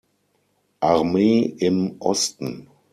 Armee im Osten.